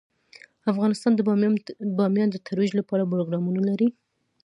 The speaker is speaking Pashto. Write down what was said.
افغانستان د بامیان د ترویج لپاره پروګرامونه لري.